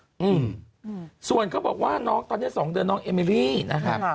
อืมส่วนเขาบอกว่าน้องตอนนี้๒เดือนน้องเอเมรี่นะครับ